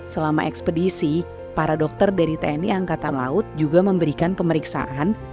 selama ekspedisi para dokter dari tni angkatan laut juga memberikan pemeriksaan